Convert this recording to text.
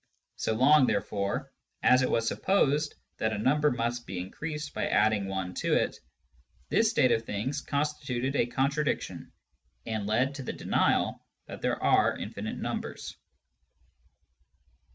So long, therefore, as it was supposed that a number must be increased by adding i to it, this state of things constituted a con tradiction, and led to the denial that there are infinite numbers.